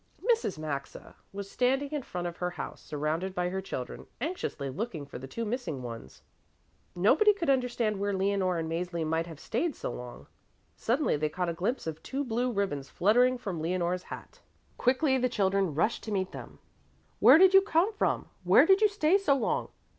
Mrs. Maxa was standing in front of her house, surrounded by her children, anxiously looking for the two missing ones. Nobody could understand where Leonore and Mäzli might have stayed so long. Suddenly they caught a glimpse of two blue ribbons fluttering from Leonore's hat. Quickly the children rushed to meet them. "Where do you come from? Where did you stay so long?